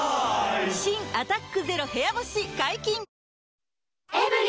新「アタックＺＥＲＯ部屋干し」解禁‼